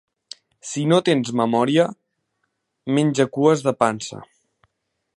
Si no tens memòria, menja cues de pansa.